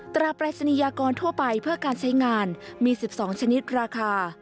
ปรายศนียากรทั่วไปเพื่อการใช้งานมี๑๒ชนิดราคา